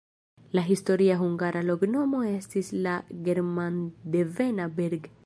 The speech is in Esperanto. La historia hungara loknomo estis la germandevena Berg.